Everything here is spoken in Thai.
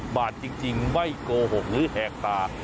บาดจริงไม่โกหกหรือแหกตา